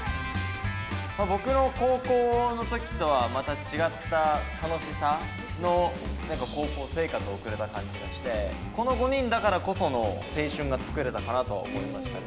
僕の高校のときとはまた違った楽しさの高校生活送れた感じがして、この５人だからこその青春が作れたかなと思いましたね。